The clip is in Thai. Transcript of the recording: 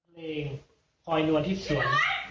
เลยคอยนวดที่สวน